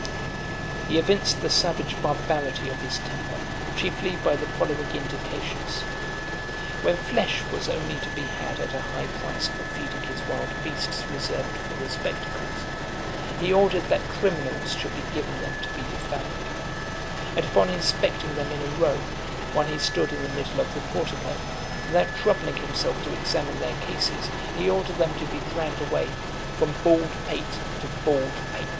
XXVII. He evinced the savage barbarity of his temper chiefly by the following indications. When flesh was only to be had at a high price for feeding his wild beasts reserved for the spectacles, he ordered that criminals should be given them (271) to be devoured; and upon inspecting them in a row, while he stood in the middle of the portico, without troubling himself to examine their cases he ordered them to be dragged away, from "bald pate to bald pate."